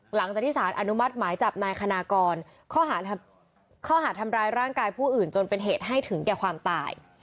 หลังจากที่สารอนุมัติหมายจับนายคณากรข้อหาดทำร้ายร่างกายผู้อื่นจนเป็นเหตุให้ถึงแก่ความตาย